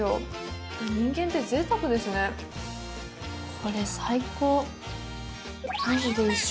これ、最高。